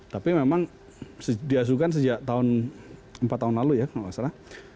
tapi memang diajukan sejak empat tahun lalu ya